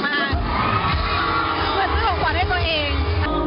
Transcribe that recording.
เหมือนที่เราขวดให้ตัวเอง